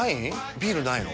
ビールないの？